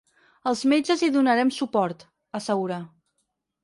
“Els metges hi donarem suport”, assegura.